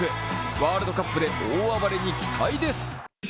ワールドカップで大暴れに期待です。